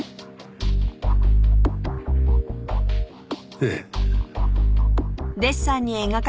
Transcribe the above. ええ。